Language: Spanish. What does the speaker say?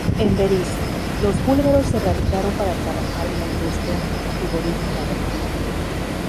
En Berisso, los búlgaros se radicaron para trabajar en la industria frigorífica local.